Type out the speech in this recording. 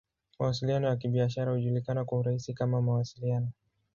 Mawasiliano ya Kibiashara hujulikana kwa urahisi kama "Mawasiliano.